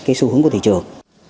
cái xu hướng của thị trường